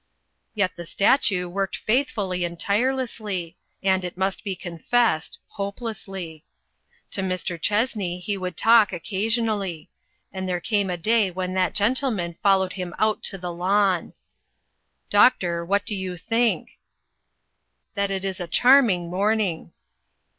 Yet the statue worked faithfully and tire lessly, and, it must be confessed, hopelessly. To Mr. Chessney he would talk occasion ally ; and there came a day when that gentleman followed him out .to the lawn. " Doctor, what do you think ?"." That it is a charming morning."